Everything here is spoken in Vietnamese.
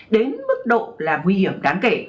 đến mức độ là nguy hiểm đáng kể